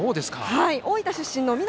大分出身の南